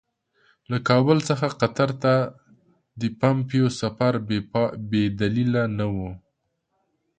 له کابل څخه قطر ته د پومپیو سفر بې دلیله نه وو.